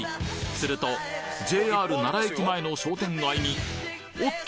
するとＪＲ奈良駅前の商店街におっと！